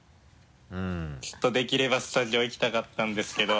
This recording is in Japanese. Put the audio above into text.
ちょっとできればスタジオ行きたかったんですけど。